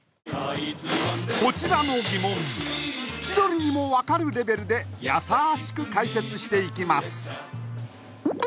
こちらの疑問千鳥にも分かるレベルでやさしく解説していきます